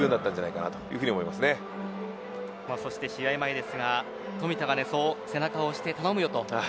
試合前ですが冨田が背中を押して頼むよ、と。